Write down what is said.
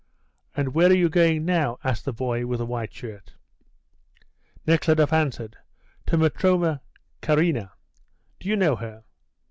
"And where are you going now?" asked the boy with the white shirt. Nekhludoff answered: "To Matrona Kharina. Do you know her?"